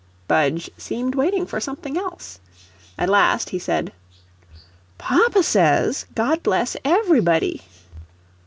Budge seemed waiting for something else. At last he said: "Papa says, 'God bless everybody.'"